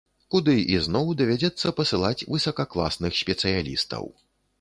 Куды ізноў давядзецца пасылаць высакакласных спецыялістаў.